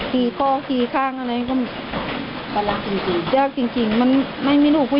ที่เคาะที่ข้างอะไรก็มาเรื่องจริงจักรจริงไม่รู้พี่